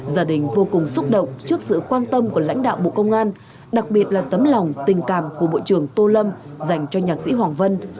gia đình vô cùng xúc động trước sự quan tâm của lãnh đạo bộ công an đặc biệt là tấm lòng tình cảm của bộ trưởng tô lâm dành cho nhạc sĩ hoàng vân